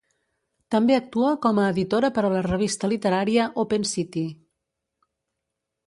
També actua com a editora per a la revista literària Open City.